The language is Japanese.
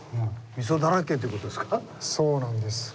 そうなんです。